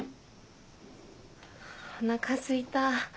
おなかすいた。